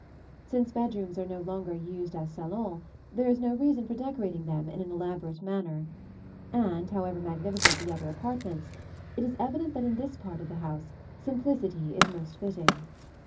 Since bedrooms are no longer used as salons, there is no reason for decorating them in an elaborate manner; and, however magnificent the other apartments, it is evident that in this part of the house simplicity is most fitting.